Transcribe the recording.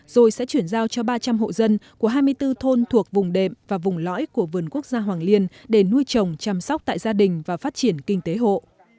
rồi sẽ chuyển giao cho ba trăm linh hộ dân của hai mươi bốn thôn thuộc vùng đệm và vùng lõi của vườn quốc gia hoàng liên để nuôi trồng chăm sóc tại gia đình và phát triển kinh tế hộ